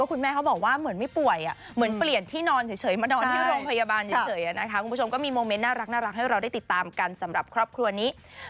คุณผู้ชมก็มีโมเมนต์น่ารักให้เราได้ติดตามกันสำหรับครอบครัวนี้